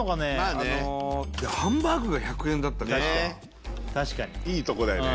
ハンバーグが１００円だったから確かに確かにいいとこだよね